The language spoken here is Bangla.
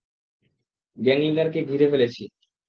গ্যাং লিডারকে গিরে ফেলেছি!